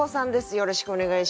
よろしくお願いします。